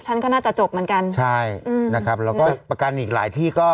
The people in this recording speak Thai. ฉันก็น่าจะจบเหมือนกันใช่อืมนะครับแล้วก็ประกันอีกหลายที่ก็